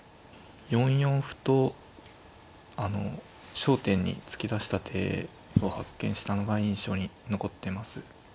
４四歩とあの焦点に突き出した手を発見したのが印象に残ってます。